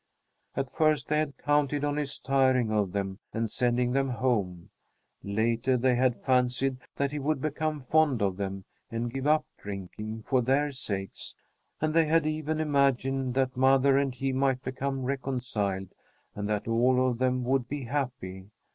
At first they had counted on his tiring of them and sending them home. Later, they had fancied that he would become fond of them and give up drinking for their sakes, and they had even imagined that mother and he might become reconciled and that all of them would be happy.